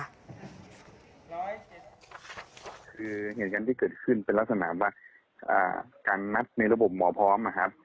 คือเห็นกันที่เกิดขึ้นเป็นลักษณะว่าการนัดในระบบหมอพร้อม